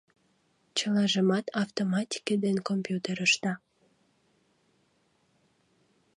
Чылажымат автоматике ден компьютер ышта.